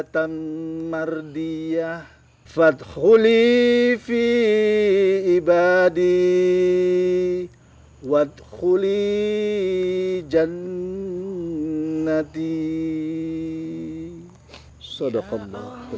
seperti apa ustadz